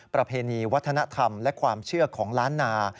ประเพณีวัฒนธรรมและความเชื่อของล้านนา